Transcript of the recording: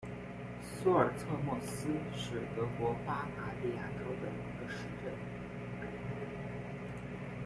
苏尔策莫斯是德国巴伐利亚州的一个市镇。